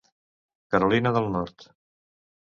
Carolina del Nord.